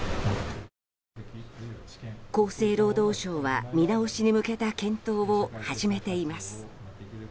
厚生労働省は見直しに向けた検討を始めています。